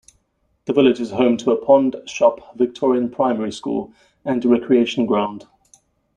The village is home to a pond, shop, Victorian primary school, and recreation ground.